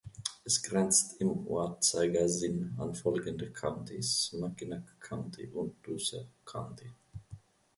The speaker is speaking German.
Es grenzt im Uhrzeigersinn an folgende Countys: Mackinac County und Luce County.